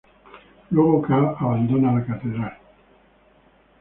Luego K abandona la catedral.